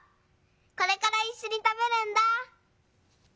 これからいっしょにたべるんだ」。